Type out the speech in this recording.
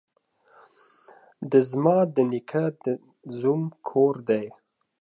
ده ځما ده نيکه ده زوم کور دې.